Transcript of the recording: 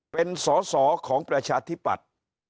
เป็นสอสอของประชาธิปัตย์